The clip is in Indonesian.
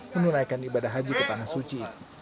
menunaikan ibadah haji ke tanah suci